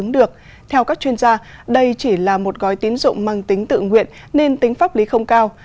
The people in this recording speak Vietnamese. theo các chuyên gia đây chỉ là một gói tín dụng mang tính tự nguyện nên tính pháp lý không cao